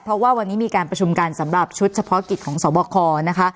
เพราะว่าวันนี้มีการประชุมกันสำหรับชุดเฉพาะกิจของสวบคนะคะ